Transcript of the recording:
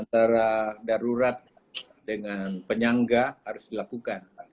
antara darurat dengan penyangga harus dilakukan